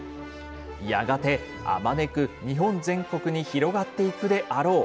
やがてあまねく日本全国に広がっていくであろう。